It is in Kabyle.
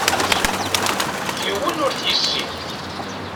Yiwen ur t-yessin.